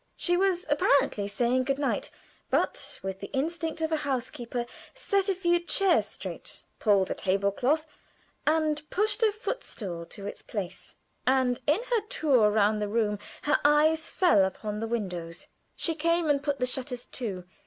She was apparently saying good night, but, with the instinct of a housekeeper, set a few chairs straight, pulled a table cloth, and pushed a footstool to its place, and in her tour round the room her eyes fell upon the windows. She came and put the shutters to.